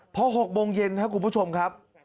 พอ๖โมงเย็นครับคุณผู้ชมครับ